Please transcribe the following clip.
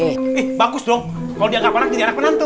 eh bagus dong kalau dianggap anak jadi anak penantu